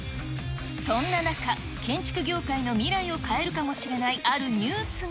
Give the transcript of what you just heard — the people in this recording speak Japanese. そんな中、建築業界の未来を変えるかもしれないあるニュースが。